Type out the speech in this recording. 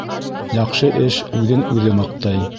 Яҡшы эш үҙен-үҙе маҡтай.